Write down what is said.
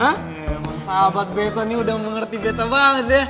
emang sahabat beto nih udah mengerti beto banget ya